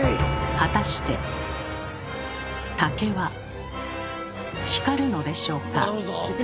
果たして竹は光るのでしょうか？